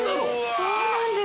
そうなんです。